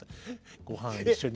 「ごはん一緒に」。